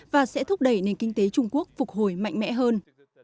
và sẽ thúc đẩy nền kinh tế trung quốc phục hồi mạnh mẽ hơn